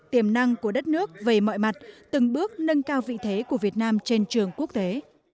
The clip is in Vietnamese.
tiềm năng của đất nước về mọi mặt từng bước nâng cao vị thế của việt nam trên trường quốc tế